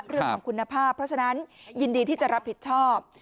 เรื่องของคุณภาพเพราะฉะนั้นยินดีที่จะรับผิดชอบ